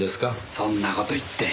そんな事言って。